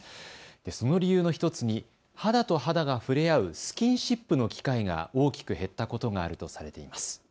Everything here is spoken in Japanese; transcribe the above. その理由の１つに肌と肌が触れ合うスキンシップの機会が大きく減ったことがあるとされています。